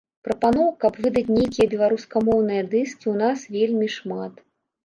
Прапаноў, каб выдаць нейкія беларускамоўныя дыскі, у нас вельмі шмат.